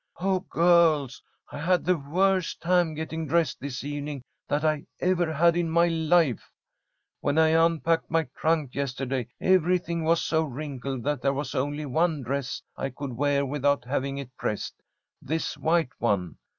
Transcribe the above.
"Oh, girls, I had the worst time getting dressed this evening that I ever had in my life. When I unpacked my trunk yesterday, everything was so wrinkled that there was only one dress I could wear without having it pressed; this white one.